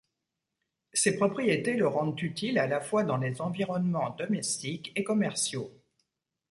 Ses propriétés le rendent utile à la fois dans les environnements domestiques et commerciaux.